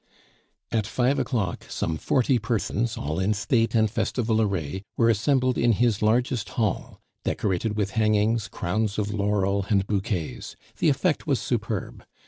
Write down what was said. At five o'clock some forty persons, all in state and festival array, were assembled in his largest ball, decorated with hangings, crowns of laurel, and bouquets. The effect was superb.